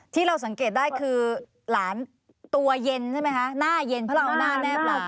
ที่เราสังเกตได้คือหลานตัวเย็นใช่ไหมคะหน้าเย็นเพราะเราเอาหน้าแนบลา